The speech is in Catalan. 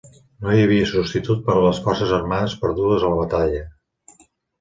No hi havia substitut per a les forces armades perdudes a la batalla.